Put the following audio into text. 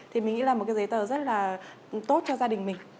thì mình nghĩ là một cái giấy tờ rất là tốt cho gia đình mình